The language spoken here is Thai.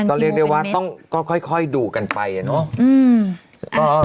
ก็เรียกได้ว่าต้องค่อยดูกันไปอะเนาะ